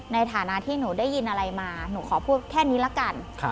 ในฐานะที่หนูได้ยินอะไรมาหนูขอพูดแค่นี้ละกัน